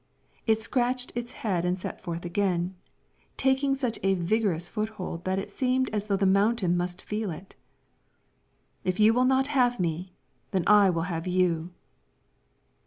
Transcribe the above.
It scratched its head and set forth again, taking such a vigorous foothold that it seemed as though the mountain must feel it. "If you will not have me, then I will have you."